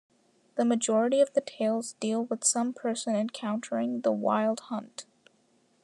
The majority of the tales deal with some person encountering the Wild Hunt.